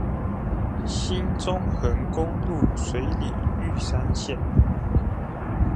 新中橫公路水里玉山線